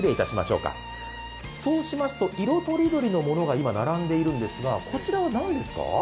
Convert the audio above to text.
そうしますと色とりどりのものが並んでいますがこちらは何ですか？